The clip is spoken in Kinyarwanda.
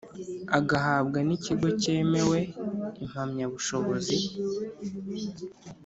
agahabwa n ikigo cyemewe impamyabushobozi